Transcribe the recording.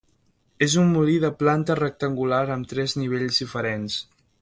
És un molí de planta rectangular amb tres nivells diferents.